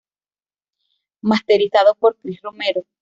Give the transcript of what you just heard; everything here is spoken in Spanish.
Masterizado por Cris Romero.